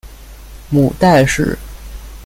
母戴氏。